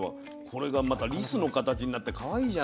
これがまたリスの形になってかわいいじゃない。